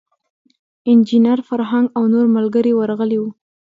انجینیر فرهنګ او نور ملګري ورغلي وو.